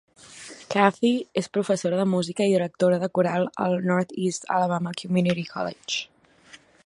Kathy és professora de música i directora de coral al Northeast Alabama Community College.